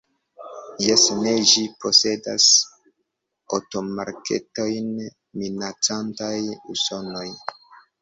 Jes, se ĝi posedas atomraketojn minacantajn Usonon.